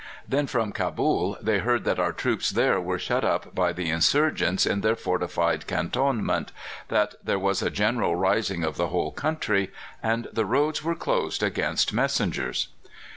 Then from Cabul they heard that our troops there were shut up by the insurgents in their fortified cantonment, that there was a general rising of the whole country, and the roads were closed against messengers.